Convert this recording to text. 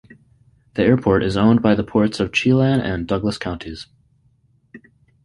The airport is owned by the Ports of Chelan and Douglas Counties.